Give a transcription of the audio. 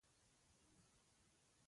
ددې کارېز اوبه ان تر لېرې روده رسېدلې وې.